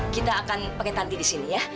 kita akan pakai tanti di sini ya